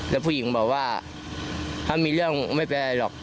แล้วผู้หญิงบอกว่าถ้ามีเรื่องไม่เป็นอะไรหรอก